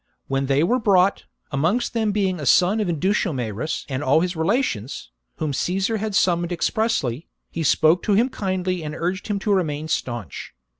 When they were brought, amongst them being a son of Indutiomarus and all his relations, whom Caesar had summoned V OF BRITAIN 129 expressly, he spoke to him kindly and urged 54 b.c. him to remain staunch.